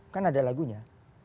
kan ada lagunya